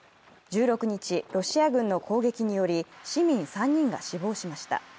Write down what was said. １６日、ロシア軍の攻撃により、市民３人が死亡しました。